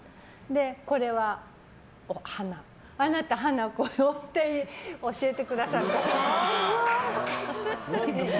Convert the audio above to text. これはお鼻、あなた華子よって教えてくださった。